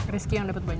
rizky yang dapet banyak